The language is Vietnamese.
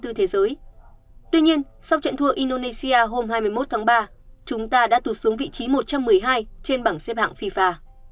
tuy nhiên sau trận thua indonesia hôm hai mươi một tháng ba chúng ta đã tụt xuống vị trí một trăm một mươi hai trên bảng xếp hạng fifa